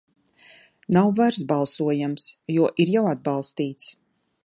Nav vairs balsojams, jo ir jau atbalstīts.